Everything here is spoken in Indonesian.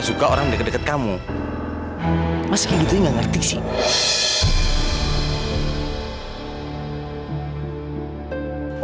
suka orang deket deket kamu meskipun itu nggak ngerti sih